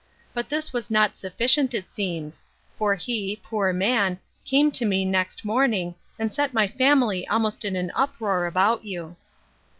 But this was not sufficient, it seems; for he, poor man! came to me next morning, and set my family almost in an uproar about you.